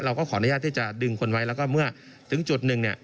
เราก็ขออนุญาตที่จะดึงคนไว้แล้วก็เมื่อถึงจุดหนึ่งเนี่ย